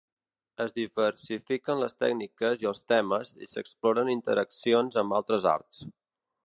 Es diversifiquen les tècniques i els temes, i s'exploren interaccions amb altres arts.